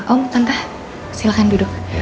om tante silakan duduk